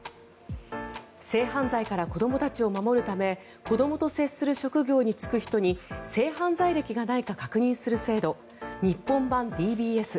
性犯罪から子どもたちを守るため子どもと接する職業に就く人に性犯罪歴がないか確認する制度日本版ＤＢＳ。